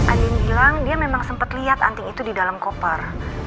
ada yang bilang dia memang sempat lihat anting itu di dalam koper